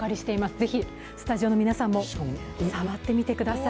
ぜひスタジオの皆さんも触ってみてください。